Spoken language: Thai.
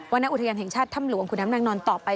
ณอุทยานแห่งชาติถ้ำหลวงขุนน้ำนางนอนต่อไป